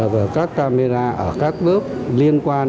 và các camera ở các lớp liên quan